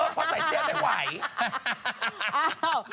เพราะใส่เซี๊ยบแห่งไหว